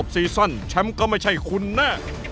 ซีซั่นแชมป์ก็ไม่ใช่คุณแน่